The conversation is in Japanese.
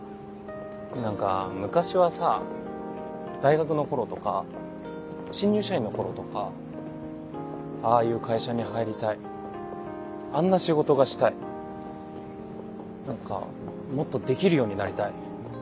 何か昔はさ大学の頃とか新入社員の頃とかああいう会社に入りたいあんな仕事がしたい何かもっとできるようになりたい。